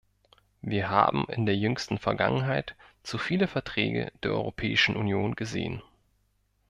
Wir haben in der jüngsten Vergangenheit zu viele Verträge der Europäischen Union gesehen.